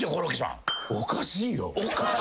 おかしいよ。